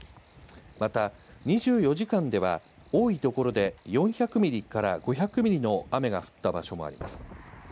また、２４時間では多い所で４００ミリから５００ミリの雨が降った場所もあります。